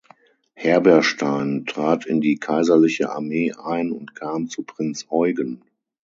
Herberstein trat in die kaiserliche Armee ein und kam zu Prinz Eugen.